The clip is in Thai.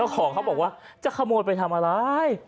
ของเขาบอกว่าจะขโมยไปทำอะไร